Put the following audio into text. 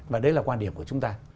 và đấy là quan điểm của chúng ta